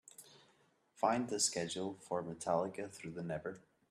Find the schedule for Metallica Through the Never.